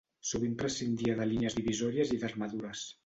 Sovint prescindia de línies divisòries i d'armadures.